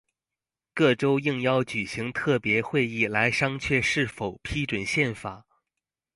各州应邀举行特别会议来商榷是否批准宪法。